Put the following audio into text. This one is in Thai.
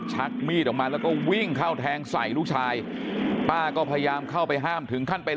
ชักมีดออกมาแล้วก็วิ่งเข้าแทงใส่ลูกชายป้าก็พยายามเข้าไปห้ามถึงขั้นไป